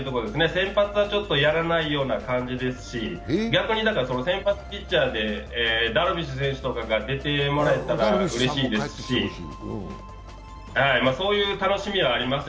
先発はちょっとやらないような感じですし、逆に先発ピッチャーでダルビッシュ選手とかに出てもらったらうれしいですしそういう楽しみはあります。